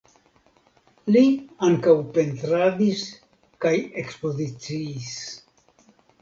Li ankaŭ pentradis kaj ekspoziciis.